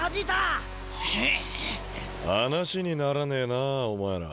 話にならねえなお前ら。